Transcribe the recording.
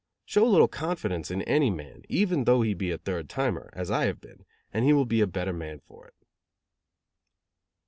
Show a little confidence in any man, even though he be a third timer, as I have been, and he will be a better man for it.